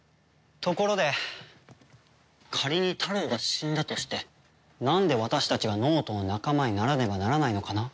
ところで仮にタロウが死んだとしてなんで私たちが脳人の仲間にならねばならないのかな？